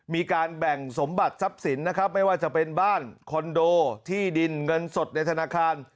มีการแบ่งสมบัติทรัพย์สินนะครับไม่ว่าจะเป็นบ้านคอนโดที่ดินเงินสดในธนาคาร